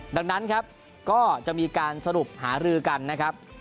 ดังนั้นครับก็จะมีการสรุปหารือกันนะครับ